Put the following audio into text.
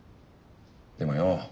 でもよ